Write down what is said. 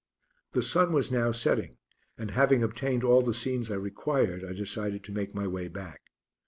The sun was now setting, and having obtained all the scenes I required, I decided to make my way back.